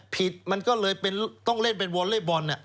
ผิดมันก็เลยต้องเล่นเป็นวอลเล่บอล